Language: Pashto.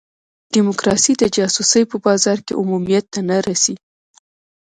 ډیموکراسي د جاسوسۍ په بازار کې عمومیت ته نه رسي.